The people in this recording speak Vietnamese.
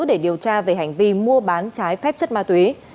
để điều tra về hành vi mua bán trái phép chất ma túy